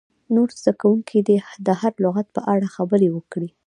نور زده کوونکي دې د هر لغت په اړه خبرې وکړي.